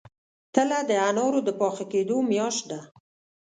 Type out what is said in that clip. تله د انارو د پاخه کیدو میاشت ده.